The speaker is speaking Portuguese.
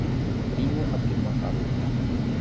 Primo abriu uma fábrica